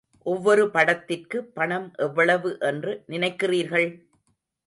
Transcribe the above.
ஒவ்வொரு படத்திற்கு பணம் எவ்வளவு என்று நினைக்கிறீர்கள்?